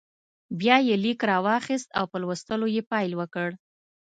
بیا یې لیک راواخیست او په لوستلو یې پیل وکړ.